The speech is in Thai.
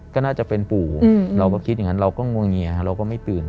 ก็น่าจะเป็นปู่เราก็คิดอย่างนั้นเราก็งวงเงียเราก็ไม่ตื่น